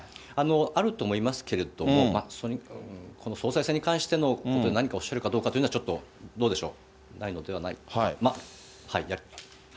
あると思いますけれども、この総裁選に関してのことで何かおっしゃるかどうかというのはちょっとどうでしょう、ないのではないかと。